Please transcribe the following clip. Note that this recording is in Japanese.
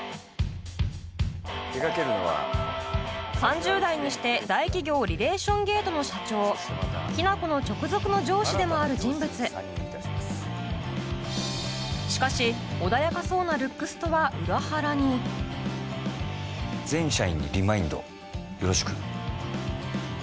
３０代にして大企業リレーション・ゲートの社長雛子の直属の上司でもある人物しかし穏やかそうなルックスとは裏腹に全社員にリマインドよろしく。